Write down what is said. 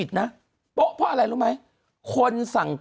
คุณหนุ่มกัญชัยได้เล่าใหญ่ใจความไปสักส่วนใหญ่แล้ว